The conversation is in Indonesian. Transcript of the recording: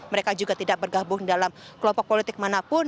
mereka juga tidak bergabung dalam kelompok politik manapun